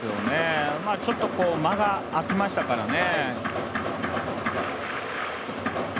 ちょっと間があきましたからね。